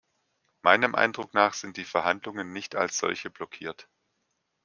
Meinem Eindruck nach sind die Verhandlungen nicht als solche blockiert.